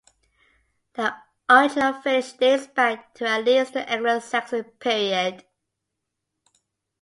The original village dates back to at least the Anglo-Saxon period.